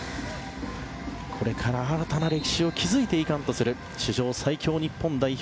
これから新たな歴史を築いていかんとする史上最強日本代表。